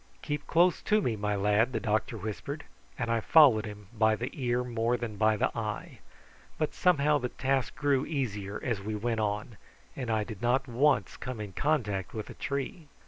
"Keep close to me, my lad," the doctor whispered; and I followed him by the ear more than by the eye; but somehow the task grew easier as we went on, and I did not once come in contact with a tree.